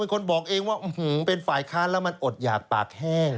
คนบอกเองว่าเป็นฝ่ายค้านแล้วมันอดหยากปากแห้ง